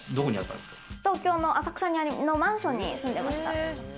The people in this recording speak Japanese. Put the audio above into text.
前は浅草のマンションに住んでました。